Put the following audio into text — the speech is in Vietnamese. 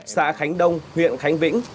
xã khánh đông huyện khánh vĩnh